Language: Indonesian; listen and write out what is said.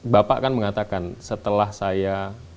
bapak kan mengatakan setelah saya